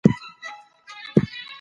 د ژوند ښه کول زموږ لومړنی هدف دی.